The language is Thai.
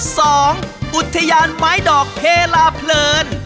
อุทยานไม้ดอกเพลาเพลิน